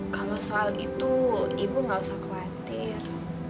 kalau soal itu ibu nggak usah khawatir